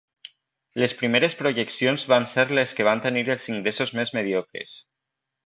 Les primeres projeccions van ser les que van tenir els ingressos més mediocres.